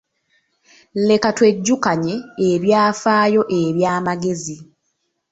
Leka twejjukanye ebyafaayo eby’amagezi.